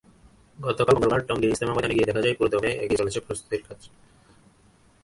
গতকাল মঙ্গলবার টঙ্গীর ইজতেমা ময়দানে গিয়ে দেখা যায়, পুরোদমে এগিয়ে চলছে প্রস্তুতির কাজ।